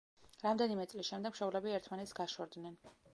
რამდენიმე წლის შემდეგ მშობლები ერთმანეთს გაშორდნენ.